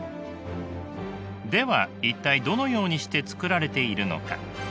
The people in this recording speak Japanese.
では一体どのようにして作られているのか？